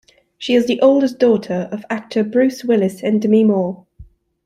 She is the oldest daughter of actors Bruce Willis and Demi Moore.